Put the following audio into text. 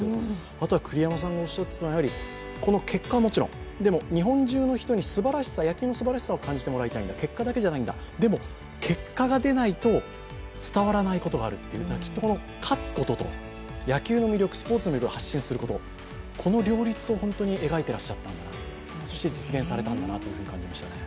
あとは栗山さんがおっしゃっていた、この結果はもちろん、でも日本中の人に野球のすばらしさを感じてもらいたいんだ、結果だけじゃないんだ、でも結果が出ないと伝わらないことがあるという、勝つことと野球の魅力、スポーツの魅力を発信すること、この両立を本当に描いていらっしゃんだな、そして実現されたんだなと感じましたね。